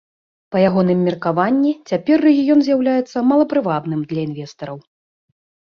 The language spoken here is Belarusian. Па ягоным меркаванні, цяпер рэгіён з'яўляецца малапрывабным для інвестараў.